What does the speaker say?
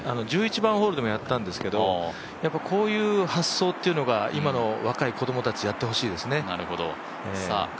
１１番ホールでもやったんですけど、こういう発想というのが今の若い子供たちやってほしいですね。